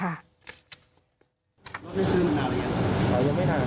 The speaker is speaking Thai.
เพราะว่าสภาพเป็นที่หัดเยอะขวัญต่อนะครับ